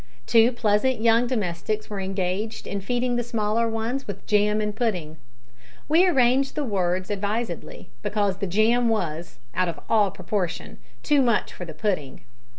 Two pleasant young domestics were engaged in feeding the smaller ones with jam and pudding. We arrange the words advisedly, because the jam was, out of all proportion, too much for the pudding.